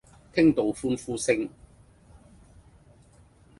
聽到歡呼聲